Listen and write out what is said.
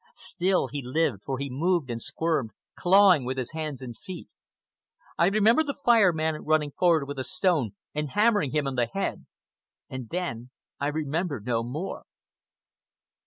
Still he lived, for he moved and squirmed, clawing with his hands and feet. I remember the Fire Man running forward with a stone and hammering him on the head...and then I remember no more.